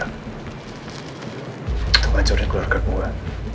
untuk hancurin keluarga gue